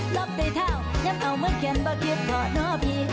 ล๊อบต่อเท่ายังเอาเมื่อเขียนบ่อคิดเหรอพี่